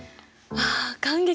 わあ感激！